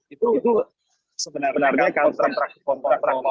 itu sebenarnya kontrak kontrak maupun perjanjian yang dibuat